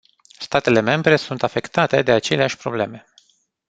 Statele membre sunt afectate de aceleași probleme.